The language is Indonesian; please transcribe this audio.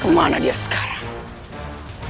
kemana dia sekarang